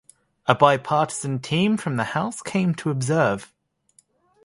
A bipartisan team from the House came to observe.